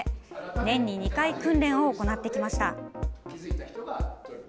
年に２回訓練を行ってきました。